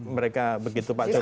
mereka begitu pak jokowi